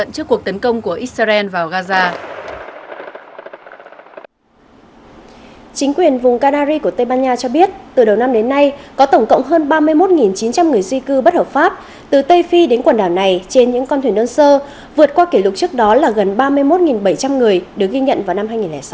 chính quyền vùng canary của tây ban nha cho biết từ đầu năm đến nay có tổng cộng hơn ba mươi một chín trăm linh người di cư bất hợp pháp từ tây phi đến quần đảo này trên những con thuyền đơn sơ vượt qua kỷ lục trước đó là gần ba mươi một bảy trăm linh người được ghi nhận vào năm hai nghìn sáu